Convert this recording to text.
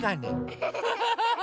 アハハハ！